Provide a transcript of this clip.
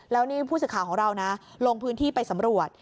แล้วนี่ผู้สื่อข่าวของเรานะลงพื้นที่ไปสำรวจ